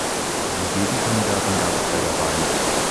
Einen Gegenkandidaten gab es bei der Wahl nicht.